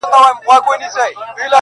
نه معلوم یې چاته لوری نه یې څرک سو!